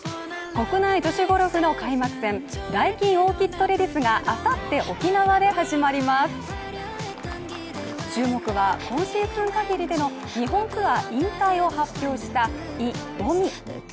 国内女子ゴルフの開幕戦ダイキンオーキッドレディスが注目は今シーズン限りでの日本ツアー引退を発表したイ・ボミ。